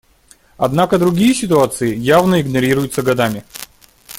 Однако другие ситуации явно игнорируются годами.